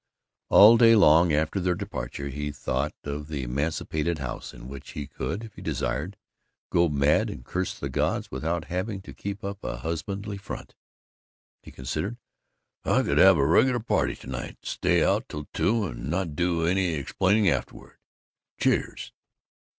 All day long after their departure he thought of the emancipated house in which he could, if he desired, go mad and curse the gods without having to keep up a husbandly front. He considered, "I could have a reg'lar party to night; stay out till two and not do any explaining afterwards. Cheers!"